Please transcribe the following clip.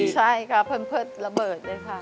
ใช่ค่ะเพิ่มเพิ่มระเบิดเลยค่ะ